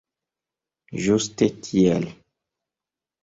Ĝuste tiel!